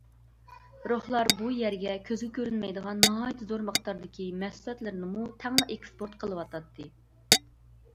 روھلار بۇ يەرگە كۆزگە كۆرۈنمەيدىغان ناھايىتى زور مىقداردىكى مەھسۇلاتلىرىنىمۇ تەڭلا ئېكسپورت قىلىۋاتاتتى.